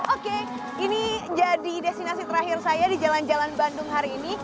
oke ini jadi destinasi terakhir saya di jalan jalan bandung hari ini